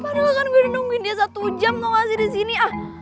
padahal kan gue udah nungguin dia satu jam gak ngasih di sini